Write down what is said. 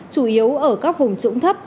chủ yếu ở các vùng trũng thấp